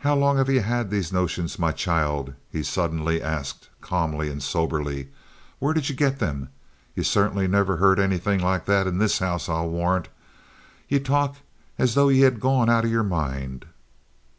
"How long have ye had these notions, my child?" he suddenly asked, calmly and soberly. "Where did ye get them? Ye certainly never heard anything like that in this house, I warrant. Ye talk as though ye had gone out of yer mind."